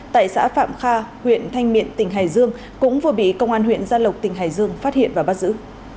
tại xã phạm kha huyện thanh miện tỉnh hải dương cũng vừa bị công an huyện gia lộc tỉnh hải dương phát hiện và bắt giữ